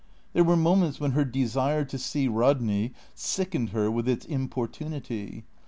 There were moments when her desire to see Rodney sickened her with its importunity.